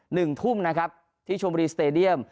หนึ่งทุ่มนะครับที่ชมบุรีสเตดียม